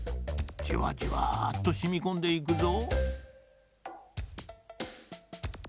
じわじわっとしみこんでいくぞ。